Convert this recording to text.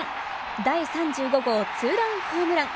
第３５号ツーランホームラン。